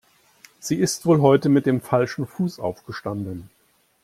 Sie ist wohl heute mit dem falschen Fuß aufgestanden.